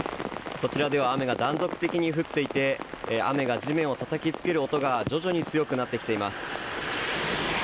こちらでは雨が断続的に降っていて雨が地面をたたきつける音が徐々に強くなってきています。